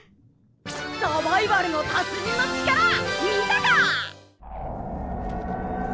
サバイバルの達人の力見たか！